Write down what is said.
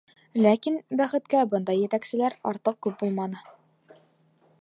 Ләкин, бәхеткә, бындай «етәкселәр» артыҡ күп булманы.